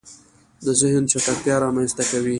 د زهن چټکتیا رامنځته کوي